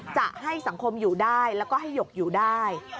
จะให้สังคมอยู่ได้แล้วก็ให้หยกอยู่ได้